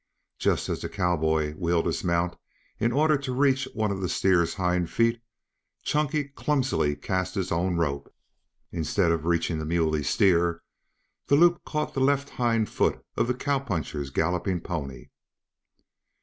Just as the cowboy wheeled his mount in order to reach one of the steer's hind feet, Chunky clumsily cast his own rope. Instead of reaching the muley steer, the loop caught the left hind foot of the cowpuncher's galloping pony.